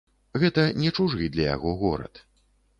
Гэта не чужы для яго горад.